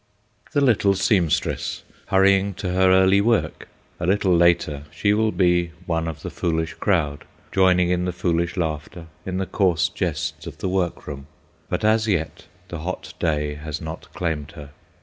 The little seamstress, hurrying to her early work! A little later she will be one of the foolish crowd, joining in the foolish laughter, in the coarse jests of the work room: but as yet the hot day has not claimed her.